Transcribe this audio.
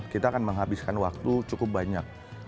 kita akan menghabiskan waktu cukup banyak